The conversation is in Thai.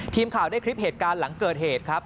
ทีมข่าวได้คลิปเหตุการณ์หลังเกิดเหตุครับ